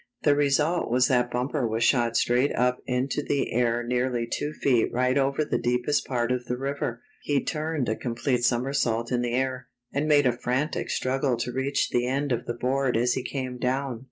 The result was that Bumper was shot straight up into the air nearly two feet right over the deepest part of the river. He turned a complete somersault in the air, and made a frantic struggle to reach the end of the board as he came down.